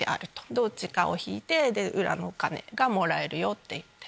どっちかを引いて裏のお金がもらえるよっていう。